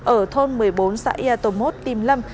ở thôn một mươi bốn xã yatomot tìm lâm